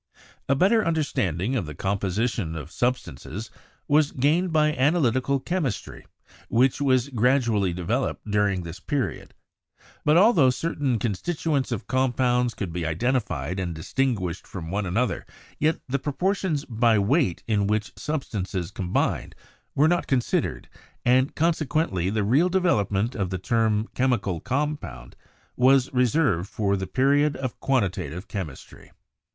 A better understanding of the composition of substances was gained by analytical chemistry, which was gradually developing during this period; but altho certain constitu ents of compounds could be identified and distinguished from one another, yet the proportions by weight in which substances combined were not considered, and conse quently the real development of the term ''chemical com pound" was reserved for the period of quantitative chem istry.